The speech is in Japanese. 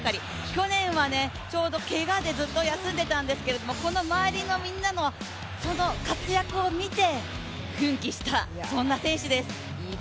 去年はちょうどけがでずっと休んでいたんですけども、この周りのみんなの活躍を見て、奮起した、そんな選手です。